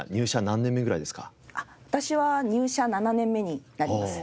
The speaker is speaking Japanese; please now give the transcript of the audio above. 私は入社７年目になります。